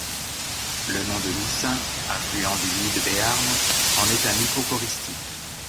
Le nom du Loucin, affluent du Luy de Béarn, en est un hypocoristique.